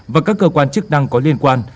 và các cơ quan chức năng có liên quan